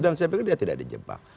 dan saya pikir dia tidak di jebak